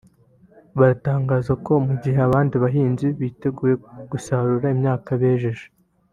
baratangaza ko mu gihe abandi bahinzi bitegura gusarura imyaka bejeje